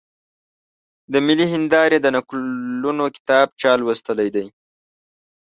د ملي هېندارې د نکلونو کتاب چا لوستلی دی؟